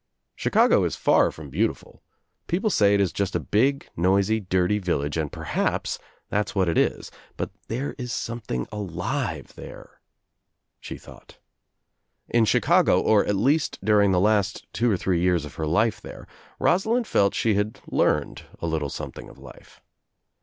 "Chicago is far from beautiful. People I OUT OP NOWHERE INTO NOTHING I83 ly it is just a big noisy dirty village and perhaps that's what it is, but there is something alive there," she thought. In Chicago, or at least during the last two or three years of her life there, Rosalind felt she had learned a little something of life.